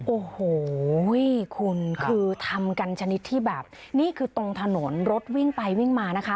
โอ้โหคุณคือทำกันชนิดที่แบบนี่คือตรงถนนรถวิ่งไปวิ่งมานะคะ